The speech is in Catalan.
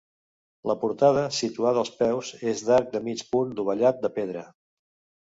La portada, situada als peus, és d'arc de mig punt dovellat, de pedra.